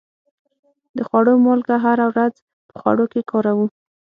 د خوړو مالګه هره ورځ په خوړو کې کاروو.